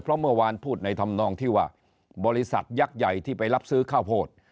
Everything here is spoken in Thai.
เพราะเมื่อวานพูดในธรรมนองที่ว่าบริษัทยักษ์ใหญ่ที่ไปรับซื้อข้าวโพด